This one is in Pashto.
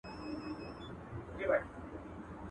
نوم ئې لوړ کور ئې ډنگر.